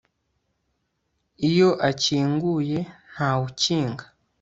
iyo akinguye ntawukinga